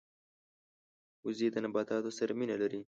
وزې د نباتاتو سره مینه لري